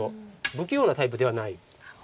不器用なタイプではない。